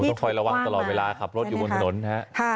ต้องคอยระวังตลอดเวลาขับรถอยู่บนถนนนะครับ